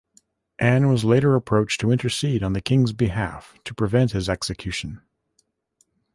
Anne was later approached to intercede on the King's behalf to prevent his execution.